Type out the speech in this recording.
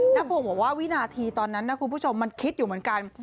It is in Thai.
นพงศ์บอกว่าวินาทีตอนนั้นนะคุณผู้ชมมันคิดอยู่เหมือนกัน